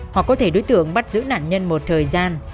hoặc có thể đối tượng bắt giữ nạn nhân một thời gian